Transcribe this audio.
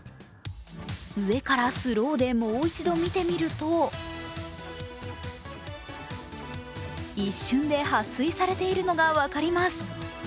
上からスローでもう一度見てみると一瞬ではっ水されているのが分かります。